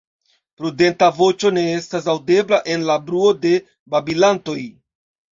Prudenta voĉo ne estas aŭdebla en la bruo de babilantoj.